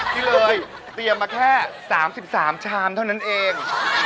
ที่เลยเตรียมมาแค่๓๓ชามเท่านั้นเอง